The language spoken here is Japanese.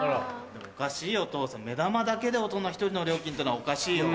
おかしいよ父さん目玉だけで大人１人の料金ってのはおかしいよ。